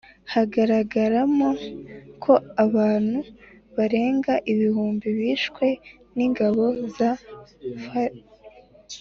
hagaragaragamo ko abantu barenga ibihumbi bishwe n'ingabo za fpr